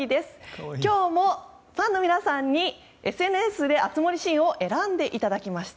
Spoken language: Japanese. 今日もファンの皆さんにＳＮＳで熱盛シーンを選んでいただきました。